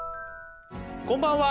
こんばんは